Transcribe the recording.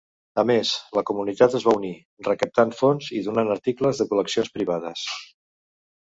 A més, la comunitat es va unir, recaptant fons i donant articles de col·leccions privades.